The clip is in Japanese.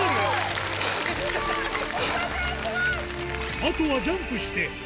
あとはジャンプして何？